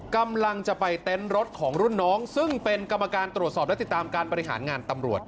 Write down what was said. กำลังจะไปเต็นต์รถของรุ่นน้องซึ่งเป็นกรรมการตรวจสอบและติดตามการบริหารงานตำรวจ